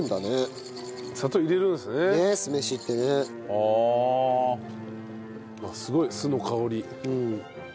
あっすごい酢の香り。